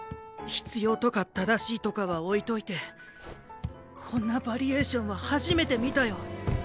必要とか正しいとかは置いといてこんなヴァリエーションは初めて見たよ。